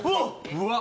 うわっ！